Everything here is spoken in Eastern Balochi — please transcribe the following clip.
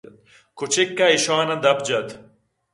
کُچکّ ءَ ایشانان دپ جت